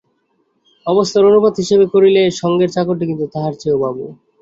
অবস্থার অনুপাতে হিসাব করিলে সঙ্গের চাকরটি কিন্তু তাহার চেয়েও বাবু।